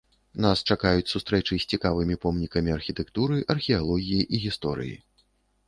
Нас чакаюць сустрэчы з цікавымі помнікамі архітэктуры, археалогіі і гісторыі.